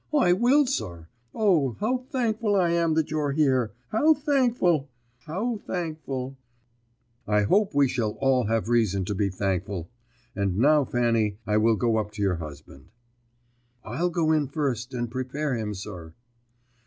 "I will, sir. O, how thankful I am that you're here how thankful, how thankful!" "I hope we shall all have reason to be thankful. And now, Fanny, I will go up to your husband." "I'll go in first, and prepare him, sir."